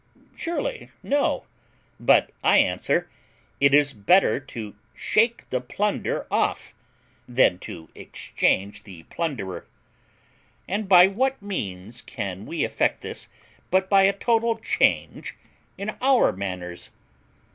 Surely no: but I answer, It is better to shake the plunder off than to exchange the plunderer. And by what means can we effect this but by a total change in our manners?